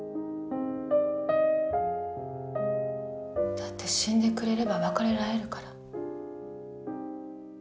だって死んでくれれば別れられるから。